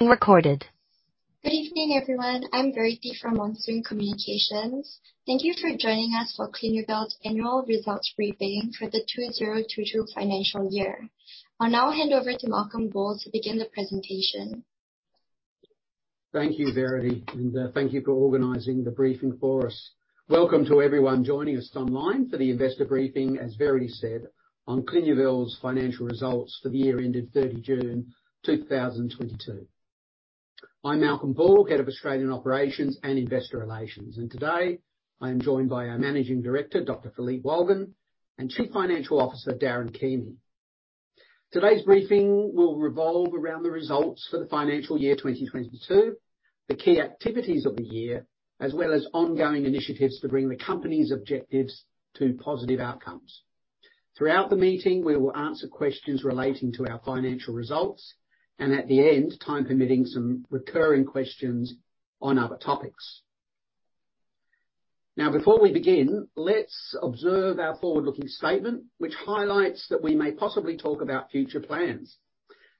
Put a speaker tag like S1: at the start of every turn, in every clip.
S1: Recorded. Good evening, everyone. I'm Verity from Monsoon Communications. Thank you for joining us for Clinuvel's annual results briefing for the 2022 financial year. I'll now hand over to Malcolm Bull to begin the presentation.
S2: Thank you, Verity, and thank you for organizing the briefing for us. Welcome to everyone joining us online for the investor briefing, as Verity said, on Clinuvel's financial results for the year ended 30 June 2022. I'm Malcolm Bull, Head of Australian Operations and Investor Relations. Today, I am joined by our Managing Director, Dr. Philippe Wolgen, and Chief Financial Officer, Darren Keamy. Today's briefing will revolve around the results for the financial year 2022, the key activities of the year, as well as ongoing initiatives to bring the company's objectives to positive outcomes. Throughout the meeting, we will answer questions relating to our financial results, and at the end, time permitting, some recurring questions on other topics. Now before we begin, let's observe our forward-looking statement, which highlights that we may possibly talk about future plans.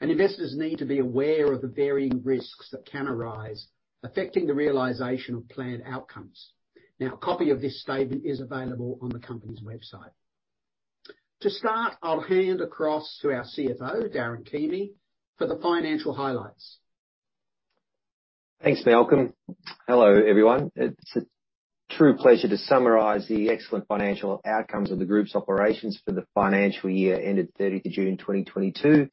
S2: Investors need to be aware of the varying risks that can arise affecting the realization of planned outcomes. Now, a copy of this statement is available on the company's website. To start, I'll hand across to our CFO, Darren Keamy, for the financial highlights.
S3: Thanks, Malcolm. Hello, everyone. It's a true pleasure to summarize the excellent financial outcomes of the group's operations for the financial year ended 30 June 2022.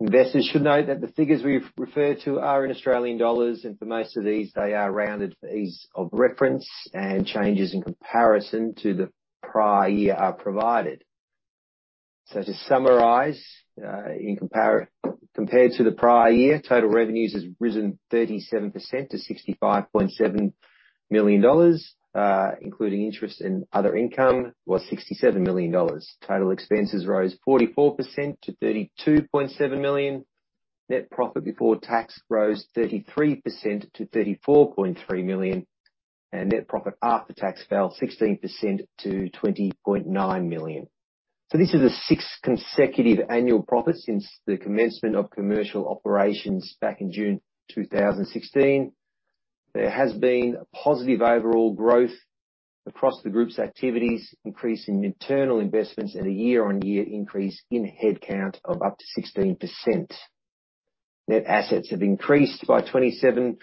S3: Investors should note that the figures we refer to are in Australian dollars, and for most of these, they are rounded for ease of reference and changes in comparison to the prior year are provided. To summarize, compared to the prior year, total revenues has risen 37% to 65.7 million dollars, including interest and other income was 67 million dollars. Total expenses rose 44% to 32.7 million. Net profit before tax rose 33% to 34.3 million. Net profit after tax fell 16% to 20.9 million. This is the sixth consecutive annual profit since the commencement of commercial operations back in June 2016. There has been a positive overall growth across the group's activities, increase in internal investments and a year-on-year increase in headcount of up to 16%. Net assets have increased by 27.2%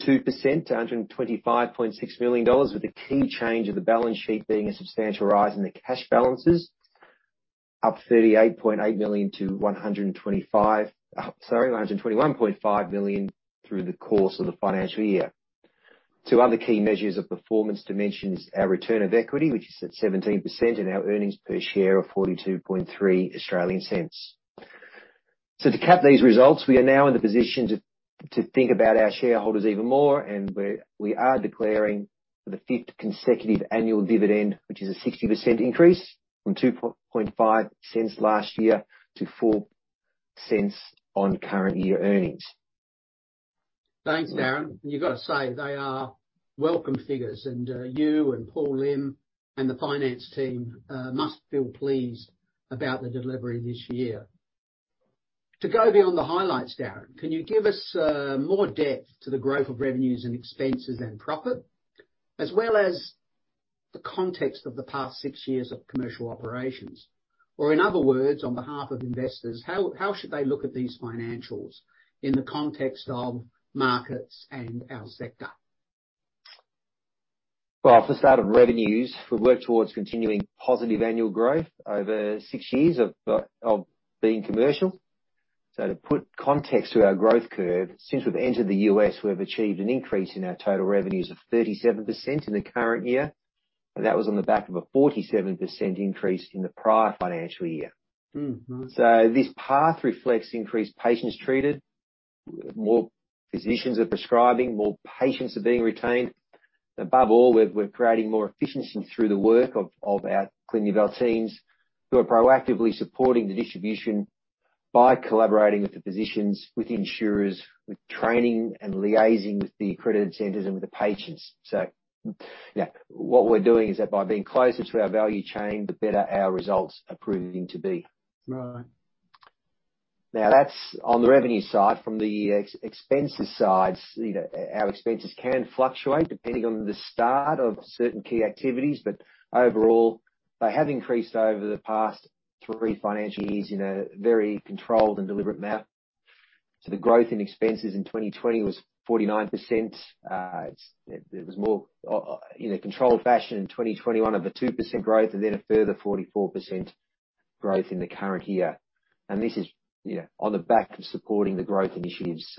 S3: to 125.6 million dollars, with a key change of the balance sheet being a substantial rise in the cash balances, up 38.8 million to 121.5 million through the course of the financial year. Two other key measures of performance dimensions, our return on equity, which is at 17%, and our earnings per share of 0.423. To cap these results, we are now in the position to think about our shareholders even more, and we are declaring the fifth consecutive annual dividend, which is a 60% increase from 0.025 last year to 0.04 on current year earnings.
S2: Thanks, Darren. You've got to say, they are welcome figures, and, you and Paul Lim and the finance team, must feel pleased about the delivery this year. To go beyond the highlights, Darren, can you give us, more depth to the growth of revenues and expenses and profit, as well as the context of the past six years of commercial operations? In other words, on behalf of investors, how should they look at these financials in the context of markets and our sector?
S3: Well, for start of revenues, we've worked towards continuing positive annual growth over 6 years of being commercial. To put context to our growth curve, since we've entered the U.S., we've achieved an increase in our total revenues of 37% in the current year. That was on the back of a 47% increase in the prior financial year.
S2: Mm-hmm.
S3: This path reflects increased patients treated, with more physicians are prescribing, more patients are being retained. Above all, we're creating more efficiency through the work of our Clinuvel teams, who are proactively supporting the distribution by collaborating with the physicians, with insurers, with training and liaising with the accredited centers and with the patients. Yeah, what we're doing is that by being closer to our value chain, the better our results are proving to be.
S2: Right.
S3: Now that's on the revenue side. From the expenses side, you know, our expenses can fluctuate depending on the start of certain key activities. Overall, they have increased over the past 3 financial years in a very controlled and deliberate manner. The growth in expenses in 2020 was 49%. There was more, you know, controlled fashion in 2021 of a 2% growth, and then a further 44% growth in the current year. This is, you know, on the back of supporting the growth initiatives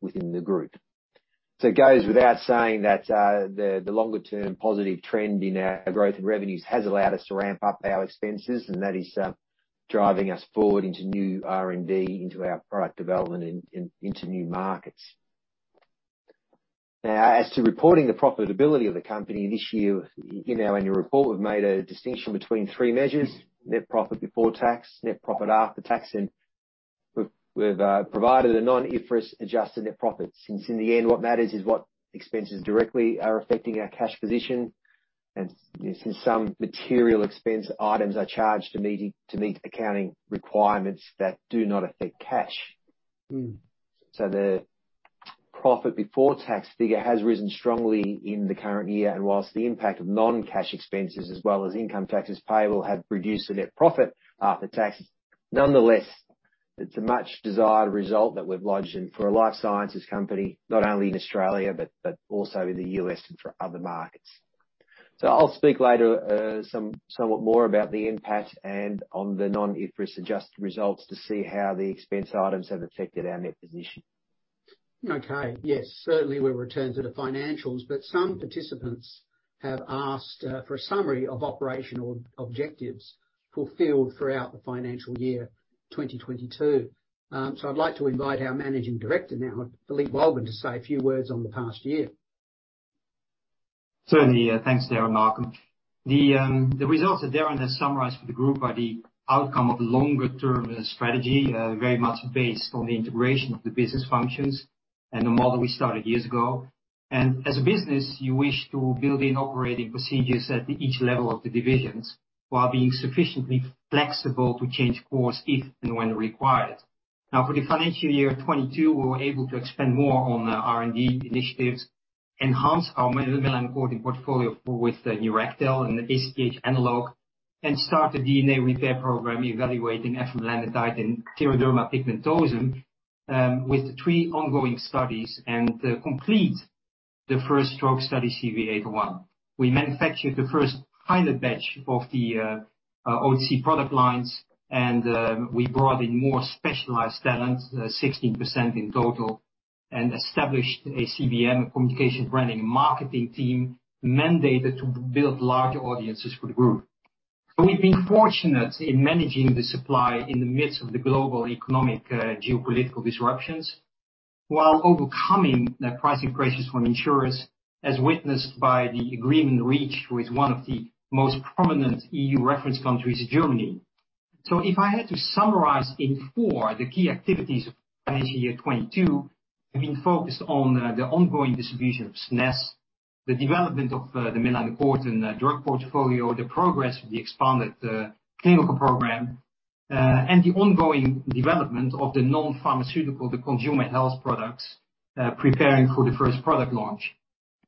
S3: within the group. It goes without saying that the longer term positive trend in our growth and revenues has allowed us to ramp up our expenses, and that is driving us forward into new R&D, into our product development, and into new markets. Now, as to reporting the profitability of the company this year, you know, in our annual report, we've made a distinction between three measures. Net profit before tax, net profit after tax, and we've provided a non-IFRS adjusted net profit. Since in the end, what matters is what expenses directly are affecting our cash position. These are some material expense items that are charged to meet accounting requirements that do not affect cash.
S2: Mm.
S3: The profit before tax figure has risen strongly in the current year. While the impact of non-cash expenses as well as income taxes payable have reduced the net profit after tax, nonetheless, it's a much desired result that we've lodged in for a life sciences company, not only in Australia but also in the US and for other markets. I'll speak later, somewhat more about the NPAT and on the non-IFRS adjusted results to see how the expense items have affected our net position.
S2: Okay. Yes, certainly we'll return to the financials, but some participants have asked for a summary of operational objectives fulfilled throughout the financial year 2022. I'd like to invite our Managing Director now, Philippe Wolgen, to say a few words on the past year.
S4: Certainly. Thanks, Darren and Malcolm. The results that Darren has summarized for the group are the outcome of longer-term strategy, very much based on the integration of the business functions and the model we started years ago. As a business, you wish to build in operating procedures at each level of the divisions while being sufficiently flexible to change course if and when required. Now, for the financial year 2022, we were able to expand more on the R&D initiatives, enhance our melanocortin portfolio with the NEURACTHEL and the ACTH analog, and start the DNA repair program, evaluating afamelanotide in xeroderma pigmentosum, with three ongoing studies, and complete the first stroke study, CUV801. We manufactured the first pilot batch of the OTC product lines, and we brought in more specialized talents, 16% in total, and established a CBM, communication branding marketing team, mandated to build larger audiences for the group. We've been fortunate in managing the supply in the midst of the global economic geopolitical disruptions while overcoming the pricing pressures from insurers, as witnessed by the agreement reached with one of the most prominent EU reference countries, Germany. If I had to summarize the four key activities of financial year 2022, we've been focused on the ongoing distribution of SCENESSE, the development of the melanocortin drug portfolio, the progress of the expanded clinical program, and the ongoing development of the non-pharmaceutical consumer health products, preparing for the first product launch.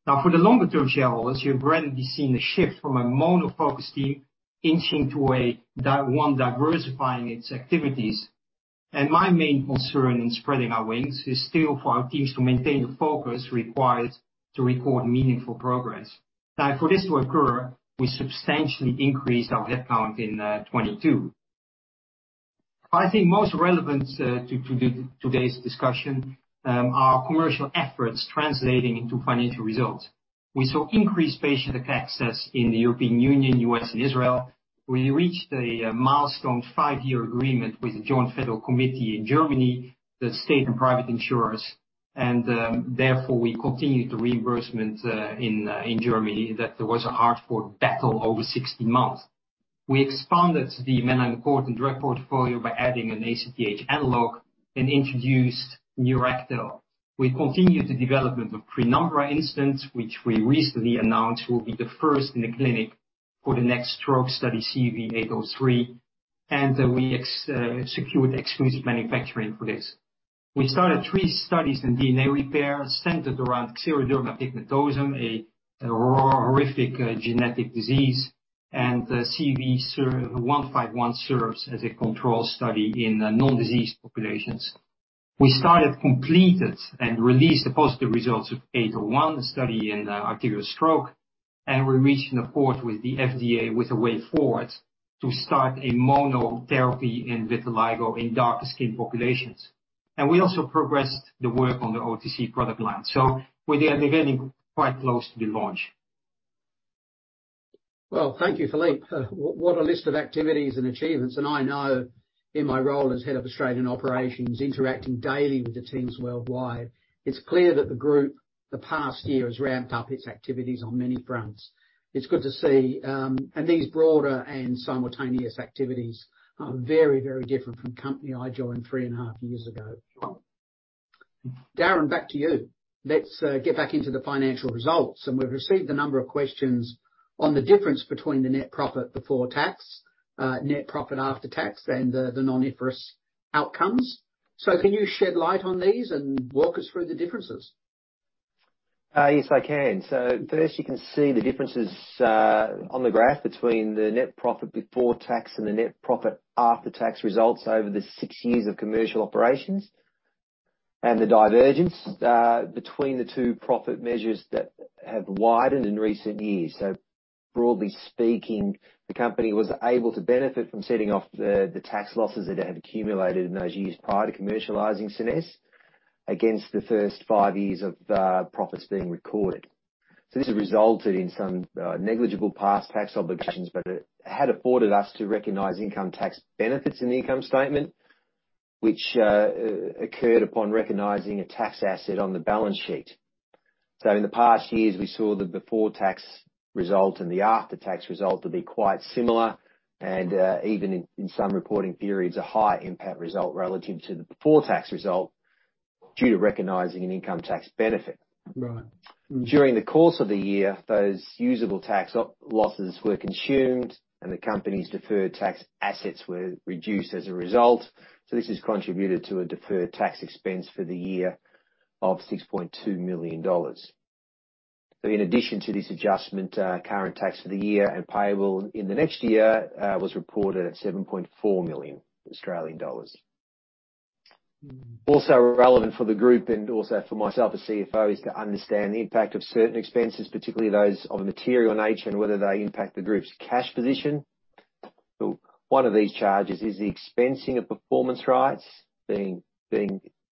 S4: Now, for the longer-term shareholders, you have gradually seen a shift from a mono-focused team inching to a diversified one diversifying its activities. My main concern in spreading our wings is still for our teams to maintain the focus required to record meaningful progress. Now, for this to occur, we substantially increased our headcount in 2022. I think most relevant to today's discussion are commercial efforts translating into financial results. We saw increased patient access in the European Union, U.S., and Israel. We reached a milestone five-year agreement with the Gemeinsamer Bundesausschuss (G-BA) in Germany, the state and private insurers, and therefore we continued the reimbursement in Germany that there was a hard-fought battle over 60 months. We expanded the melanocortin drug portfolio by adding an ACTH analog and introduced NEURACTHEL. We continued the development of PRÉNUMBRA Instant, which we recently announced will be the first in the clinic for the next stroke study, CUV803, and we secured exclusive manufacturing for this. We started three studies in DNA repair centered around xeroderma pigmentosum, a horrific genetic disease, and CUV151 serves as a control study in non-disease populations. We started, completed, and released the positive results of 801 study in arterial stroke, and we're reaching a path with the FDA with a way forward to start a monotherapy in vitiligo in darker-skinned populations. We also progressed the work on the OTC product line. We are getting quite close to the launch.
S2: Well, thank you, Philippe. What a list of activities and achievements. I know in my role as head of Australian operations, interacting daily with the teams worldwide, it's clear that the group the past year has ramped up its activities on many fronts. It's good to see. These broader and simultaneous activities are very, very different from the company I joined three and a half years ago. Darren, back to you. Let's get back into the financial results. We've received a number of questions on the difference between the net profit before tax, net profit after tax, and the non-IFRS outcomes. Can you shed light on these and walk us through the differences?
S3: Yes, I can. First, you can see the differences on the graph between the net profit before tax and the net profit after tax results over the six years of commercial operations and the divergence between the two profit measures that have widened in recent years. Broadly speaking, the company was able to benefit from setting off the tax losses that it had accumulated in those years prior to commercializing SCENESSE against the first five years of profits being recorded. This resulted in some negligible post-tax obligations, but it had afforded us to recognize income tax benefits in the income statement, which occurred upon recognizing a tax asset on the balance sheet. In the past years, we saw the before tax result and the after tax result to be quite similar, and even in some reporting periods, a higher NPAT result relative to the before tax result. Due to recognizing an income tax benefit.
S2: Right.
S3: During the course of the year, those usable tax losses were consumed and the company's deferred tax assets were reduced as a result. This has contributed to a deferred tax expense for the year of 6.2 million dollars. In addition to this adjustment, current tax for the year and payable in the next year was reported at 7.4 million Australian dollars. Also relevant for the group and also for myself as CFO, is to understand the impact of certain expenses, particularly those of material nature, and whether they impact the group's cash position. One of these charges is the expensing of performance rights, being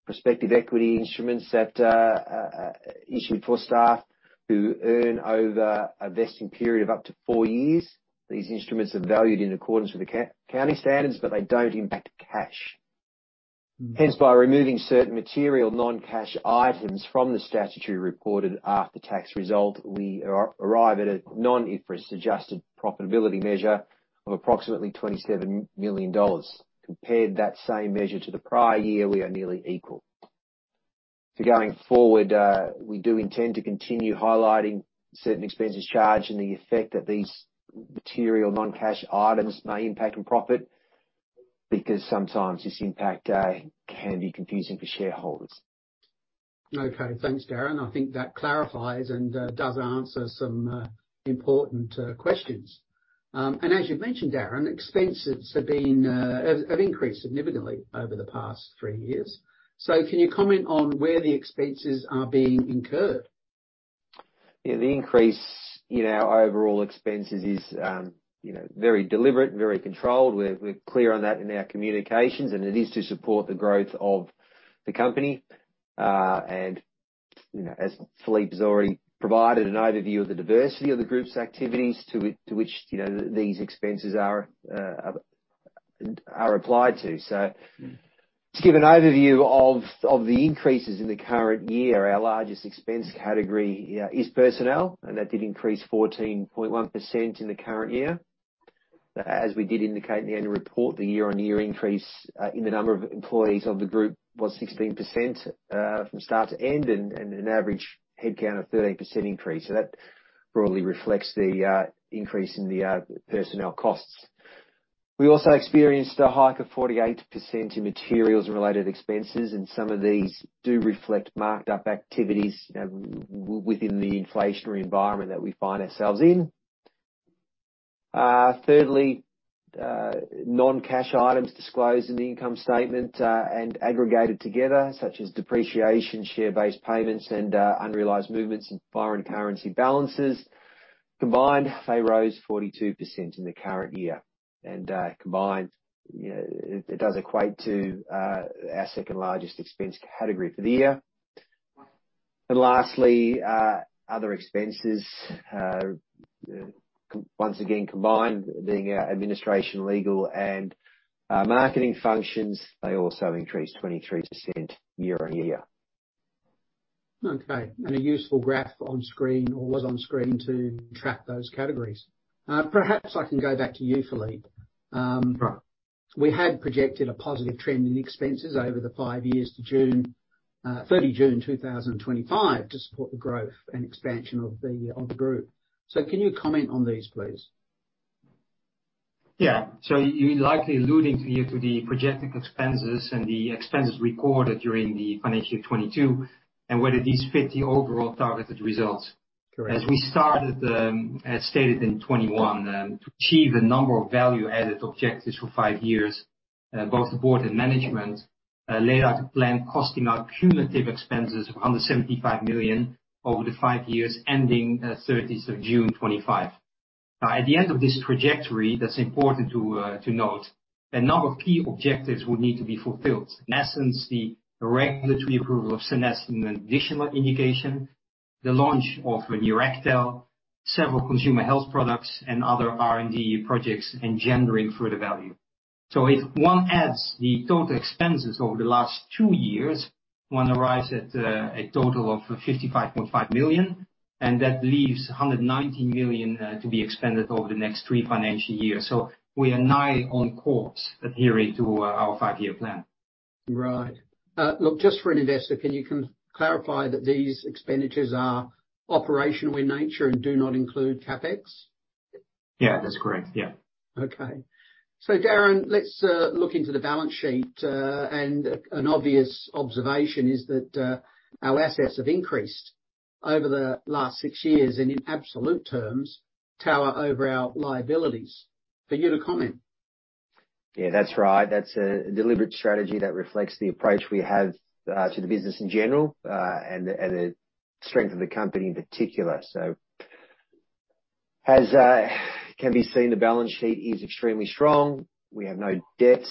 S3: prospective equity instruments that issue for staff who vest over a vesting period of up to four years. These instruments are valued in accordance with accounting standards, but they don't impact cash. Hence, by removing certain material non-cash items from the statutory reported after-tax result, we arrive at a non-IFRS adjusted profitability measure of approximately 27 million dollars. Compare that same measure to the prior year. We are nearly equal. Going forward, we do intend to continue highlighting certain expenses charged and the effect that these material non-cash items may impact on profit, because sometimes this impact can be confusing for shareholders.
S2: Okay. Thanks, Darren. I think that clarifies and does answer some important questions. As you've mentioned, Darren, expenses have increased significantly over the past three years. Can you comment on where the expenses are being incurred?
S3: Yeah, the increase in our overall expenses is, you know, very deliberate and very controlled. We're clear on that in our communications, and it is to support the growth of the company. You know, as Philippe has already provided an overview of the diversity of the group's activities to which, you know, these expenses are applied to. To give an overview of the increases in the current year, our largest expense category is personnel. That did increase 14.1% in the current year. As we did indicate in the annual report, the year-on-year increase in the number of employees of the group was 16%, from start to end, and an average headcount of 13% increase. That broadly reflects the increase in the personnel costs. We also experienced a hike of 48% in materials and related expenses, and some of these do reflect marked up activities within the inflationary environment that we find ourselves in. Thirdly, non-cash items disclosed in the income statement, and aggregated together, such as depreciation, share-based payments, and unrealized movements in foreign currency balances. Combined, they rose 42% in the current year. Combined, you know, it does equate to our second largest expense category for the year. Lastly, other expenses, once again, combined, being our administration, legal, and marketing functions, they also increased 23% year-on-year.
S2: Okay. A useful graph on screen or was on screen to track those categories. Perhaps I can go back to you, Philippe.
S4: Right.
S2: We had projected a positive trend in expenses over the five years to 30 June 2025 to support the growth and expansion of the, of the group. Can you comment on these, please?
S4: Yeah. You're likely alluding here to the projected expenses and the expenses recorded during the financial 22, and whether these fit the overall targeted results.
S2: Correct.
S4: As stated in 2021, to achieve a number of value-added objectives for five years, both the board and management laid out a plan costing out cumulative expenses of under 75 million over the five years ending 30th of June 2025. Now, at the end of this trajectory, that's important to note, a number of key objectives would need to be fulfilled. In essence, the regulatory approval of SCENESSE® for an additional indication, the launch of NEURACTHEL®, several consumer health products, and other R&D projects engendering further value. If one adds the total expenses over the last two years, one arrives at a total of 55.5 million, and that leaves 119 million to be expended over the next three financial years. We are now on course adhering to our five-year plan.
S2: Right. Look, just for an investor, can you clarify that these expenditures are operational in nature and do not include CapEx?
S4: Yeah. That's correct. Yeah.
S2: Okay. Darren, let's look into the balance sheet, and an obvious observation is that our assets have increased over the last six years and in absolute terms, tower over our liabilities. For you to comment.
S3: Yeah, that's right. That's a deliberate strategy that reflects the approach we have to the business in general and the strength of the company in particular. As can be seen, the balance sheet is extremely strong. We have no debt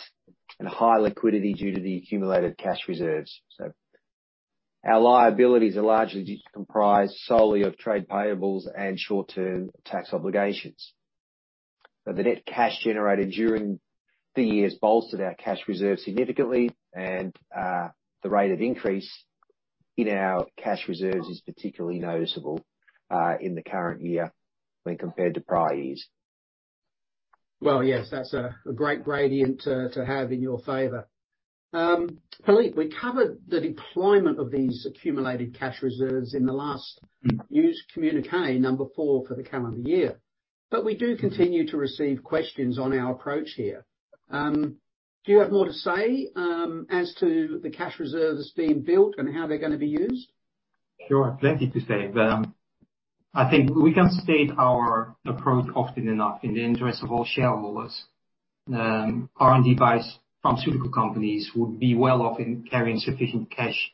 S3: and high liquidity due to the accumulated cash reserves. Our liabilities are largely comprised solely of trade payables and short-term tax obligations. The net cash generated during the years bolstered our cash reserves significantly and the rate of increase in our cash reserves is particularly noticeable in the current year when compared to prior years.
S2: Well, yes, that's a great gradient to have in your favor. Philippe, we covered the deployment of these accumulated cash reserves in the last.
S4: Mm-hmm.
S2: News communique, number four for the calendar year. We do continue to receive questions on our approach here. Do you have more to say as to the cash reserves being built and how they're gonna be used?
S4: Sure. Plenty to say. I think we can state our approach often enough in the interest of all shareholders. R&D biopharmaceutical companies would be well off in carrying sufficient cash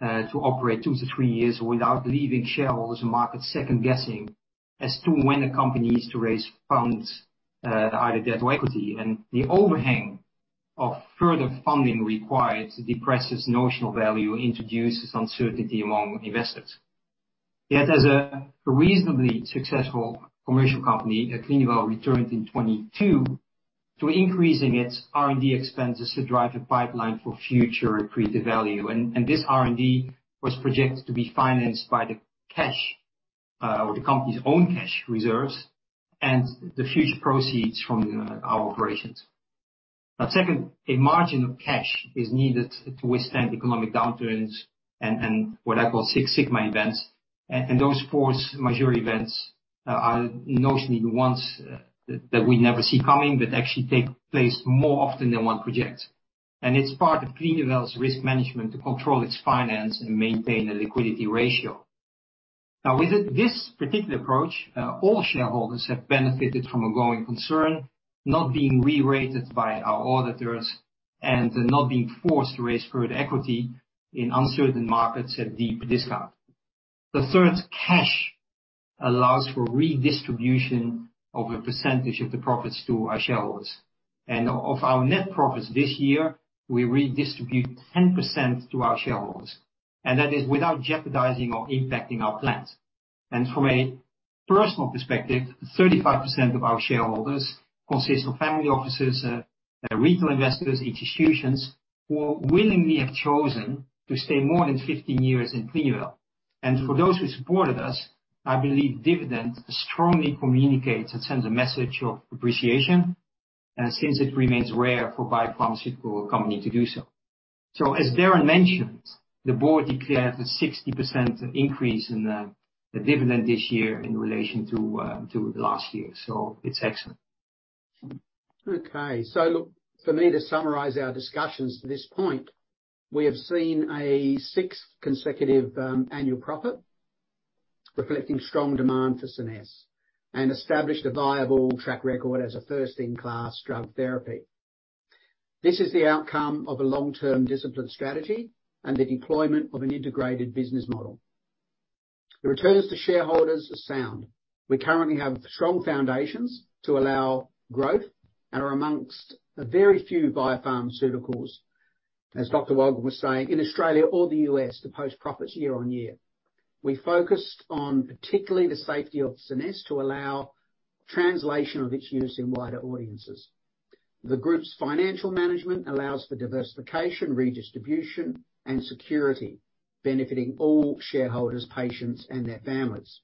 S4: to operate 2-3 years without leaving shareholders and market second guessing as to when a company is to raise funds to either debt or equity. The overhang of further funding required depresses notional value, introduces uncertainty among investors. Yet as a reasonably successful commercial company, Clinuvel returned in 2022 to increasing its R&D expenses to drive the pipeline for future accretive value. This R&D was projected to be financed by the cash or the company's own cash reserves and the future proceeds from our operations. Now, second, a margin of cash is needed to withstand economic downturns and what I call Six Sigma events. Those force majeure events are notionally the ones that we never see coming, but actually take place more often than one projects. It's part of Clinuvel's risk management to control its finance and maintain a liquidity ratio. Now, with it, this particular approach, all shareholders have benefited from a going concern not being re-rated by our auditors and not being forced to raise further equity in uncertain markets at deep discount. This cash allows for redistribution of a percentage of the profits to our shareholders. Of our net profits this year, we redistribute 10% to our shareholders, and that is without jeopardizing or impacting our plans. From a personal perspective, 35% of our shareholders consist of family offices, retail investors, institutions, who willingly have chosen to stay more than 15 years in Clinuvel. For those who supported us, I believe dividend strongly communicates and sends a message of appreciation, since it remains rare for biopharmaceutical company to do so. As Darren mentioned, the board declared a 60% increase in the dividend this year in relation to the last year. It's excellent.
S2: Okay. Look, for me to summarize our discussions to this point. We have seen a sixth consecutive annual profit reflecting strong demand for SCENESSE, and established a viable track record as a first-in-class drug therapy. This is the outcome of a long-term disciplined strategy and the deployment of an integrated business model. The returns to shareholders are sound. We currently have strong foundations to allow growth and are amongst a very few biopharmaceuticals, as Dr. Wolgen was saying, in Australia or the US to post profits year on year. We focused on particularly the safety of SCENESSE to allow translation of its use in wider audiences. The group's financial management allows for diversification, redistribution, and security, benefiting all shareholders, patients, and their families.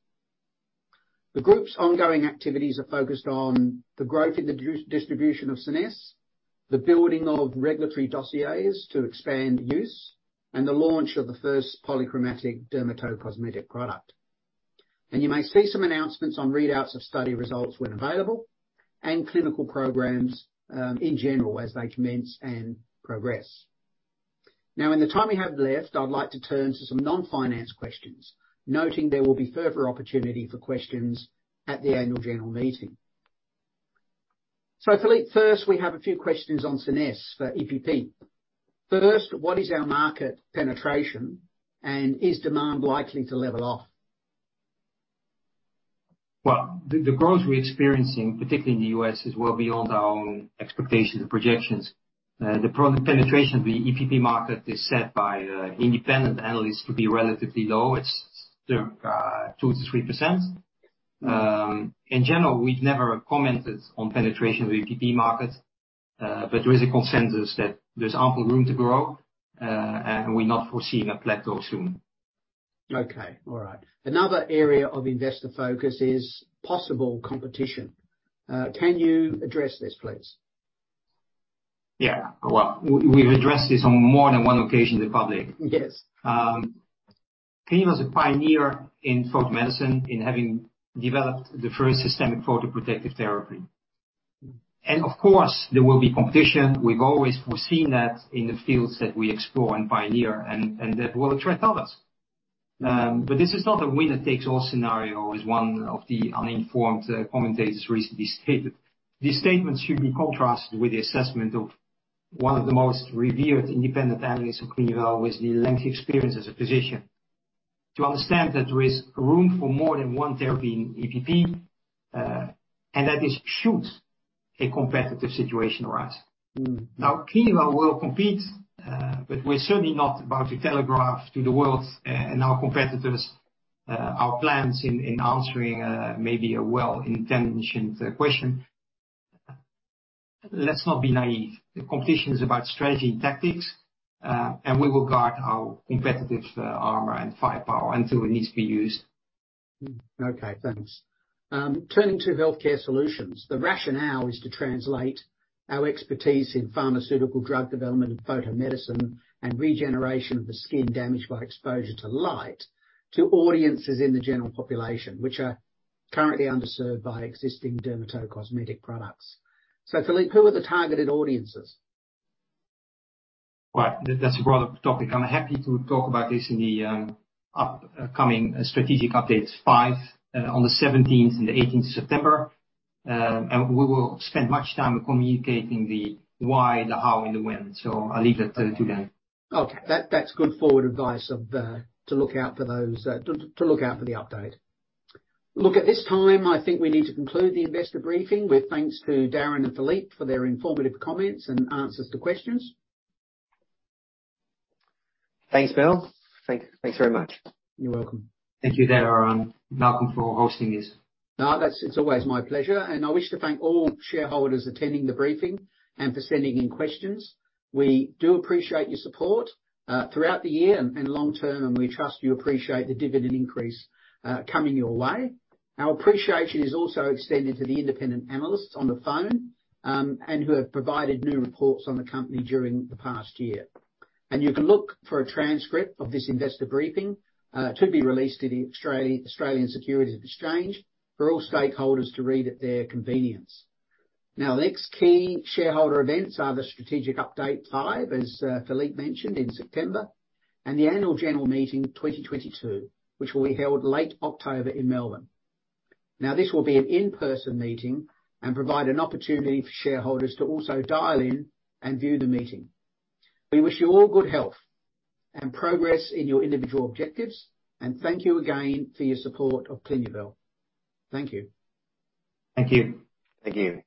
S2: The group's ongoing activities are focused on the growth in the distribution of SCENESSE®, the building of regulatory dossiers to expand use, and the launch of the first polychromatic dermato-cosmetic product. You may see some announcements on readouts of study results when available, and clinical programs, in general, as they commence and progress. Now, in the time we have left, I'd like to turn to some non-finance questions. Noting there will be further opportunity for questions at the annual general meeting. Philippe, first, we have a few questions on SCENESSE® for EPP. First, what is our market penetration? Is demand likely to level off?
S4: Well, the growth we're experiencing, particularly in the U.S., is well beyond our own expectations and projections. The product penetration of the EPP market is set by independent analysts to be relatively low. It's 2%-3%. In general, we've never commented on penetration of the EPP market, but there is a consensus that there's ample room to grow, and we're not foreseeing a plateau soon.
S2: Okay. All right. Another area of investor focus is possible competition. Can you address this, please?
S4: Yeah. Well, we've addressed this on more than one occasion in public.
S2: Yes.
S4: Clinuvel is a pioneer in photomedicine in having developed the first systemic photoprotective therapy. Of course, there will be competition. We've always foreseen that in the fields that we explore and pioneer, and there will be others. This is not a winner-takes-all scenario, as one of the uninformed commentators recently stated. These statements should be contrasted with the assessment of one of the most revered independent analysts of Clinuvel with the lengthy experience as a physician. To understand that there is room for more than one therapy in EPP, and that this should a competitive situation arise.
S2: Mm.
S4: Now, Clinuvel will compete, but we're certainly not about to telegraph to the world and our competitors, our plans in answering, maybe a well-intentioned question. Let's not be naive. The competition is about strategy and tactics, and we will guard our competitive, armor and firepower until it needs to be used.
S2: Okay, thanks. Turning to healthcare solutions, the rationale is to translate our expertise in pharmaceutical drug development and photomedicine and regeneration of the skin damaged by exposure to light to audiences in the general population, which are currently underserved by existing dermato-cosmetic products. Philippe, who are the targeted audiences?
S4: Right. That's a broader topic. I'm happy to talk about this in the upcoming strategic updates five on the seventeenth and the eighteenth of September. We will spend much time communicating the why, the how, and the when. I'll leave that to then.
S2: Okay. That's good forward advice to look out for those to look out for the update. Look, at this time, I think we need to conclude the investor briefing with thanks to Darren and Philippe for their informative comments and answers to questions.
S4: Thanks, Bull. Thanks very much.
S2: You're welcome.
S4: Thank you, Darren. Welcome for hosting this.
S2: No, that's. It's always my pleasure, and I wish to thank all shareholders attending the briefing and for sending in questions. We do appreciate your support throughout the year and long term, and we trust you appreciate the dividend increase coming your way. Our appreciation is also extended to the independent analysts on the phone and who have provided new reports on the company during the past year. You can look for a transcript of this investor briefing to be released to the Australian Securities Exchange for all stakeholders to read at their convenience. Now, the next key shareholder events are the Strategic Update 5, as Philippe mentioned in September, and the annual general meeting 2022, which will be held late October in Melbourne. Now, this will be an in-person meeting and provide an opportunity for shareholders to also dial in and view the meeting. We wish you all good health and progress in your individual objectives, and thank you again for your support of Clinuvel. Thank you.
S4: Thank you. Thank you.